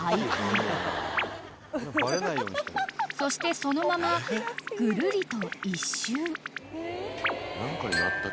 ［そしてそのままぐるりと１周］